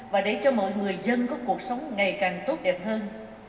và để cho mọi người dân có cuộc sống ngày càng tốt đẹp hơn